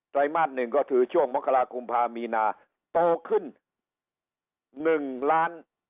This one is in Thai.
ไตรมาสหนึ่งก็ถือช่วงมกรกุมภาคมีนาโตขึ้นหนึ่งล้าน